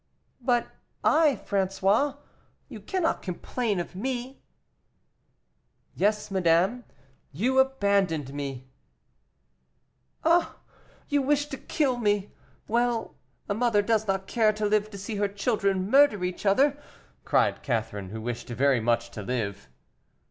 "But I, François you cannot complain of me?" "Yes, madame, you abandoned me." "Ah! you wish to kill me. Well, a mother does not care to live to see her children murder each other!" cried Catherine, who wished very much to live.